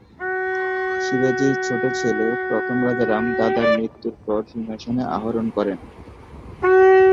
শিবাজীর ছোট ছেলে প্রথম রাজারাম, দাদার মৃত্যুর পরে সিংহাসনে আরোহণ করেন।